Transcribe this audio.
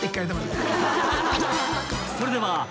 ［それでは］